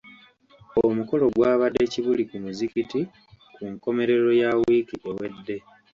Omukolo gwabadde Kibuli ku muzigiti ku nkomerero ya wiiki ewedde.